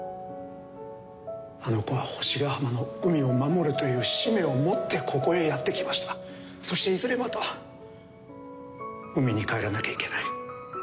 あの子は星ヶ浜の海を守るという使命を持ってここへやって来ましたそしていずれまた海に帰らなきゃいけない。